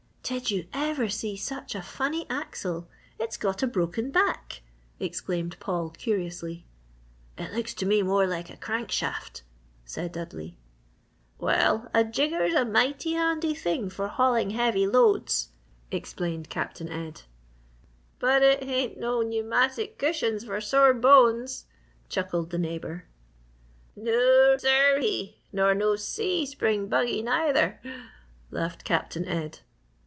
"Did you ever see such a funny axle it's got a broken back!" exclaimed Paul, curiously. "It looks to me more like a crankshaft," said Dudley. "Well, a jigger's a mighty handy thing for haulin' heavy loads," explained Captain Ed. "But it hain't no pneumatic cushions for sore bones," chuckled the neighbour. "No sir ee! nor no "C" spring buggy, neither," laughed Captain Ed.